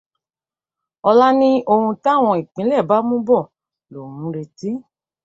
Ọlá ní ohun táwọn ìpínlẹ̀ bá mú bọ̀ lòun ń retí.